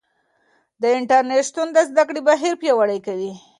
د انټرنیټ شتون د زده کړې بهیر پیاوړی کوي.